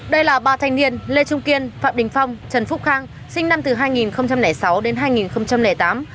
đây là ba thanh niên lê trung kiên phạm đình phong trần phúc khang sinh năm hai nghìn sáu đến hai nghìn tám